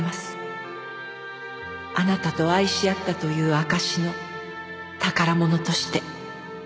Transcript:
「あなたと愛し合ったという証しの宝物として」